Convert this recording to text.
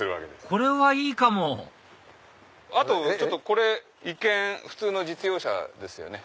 これはいいかもあとこれ一見普通の実用車ですよね。